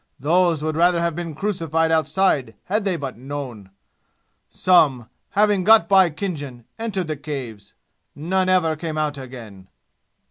Those would rather have been crucified outside had they but known. Some, having got by Khinjan, entered the Caves. None ever came out again!"